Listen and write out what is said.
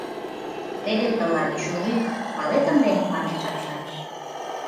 — Теве тыланет чужик, палет ынде? — манеш апшат.